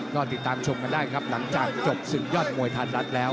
ก็ติดตามชมกันได้ครับหลังจากจบศึกยอดมวยไทยรัฐแล้ว